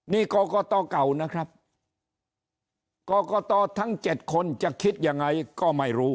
นี่กรกตเก่านะครับกรกตทั้ง๗คนจะคิดยังไงก็ไม่รู้